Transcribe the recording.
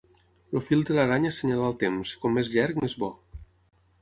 El fil de l'aranya assenyala el temps: com més llarg, més bo.